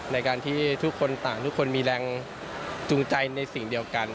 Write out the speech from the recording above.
ในการที่ทุกคนต่างทุกคนมีแรงจูงใจในสิ่งเดียวกัน